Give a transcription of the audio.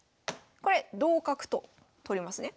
これ同角と取れますね。